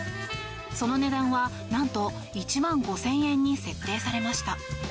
その値段は何と１万５０００円に設定されました。